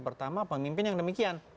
pertama pemimpin yang demikian